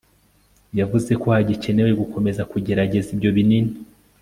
yavuze ko hagikenewe gukomeza kugerageza ibyo binini